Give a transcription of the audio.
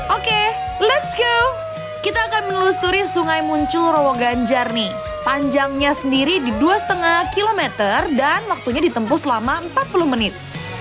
oke let s go kita akan melusuri sungai muncul rowoganjarni panjangnya sendiri di dua lima km dan waktunya ditempuh selama empat puluh menit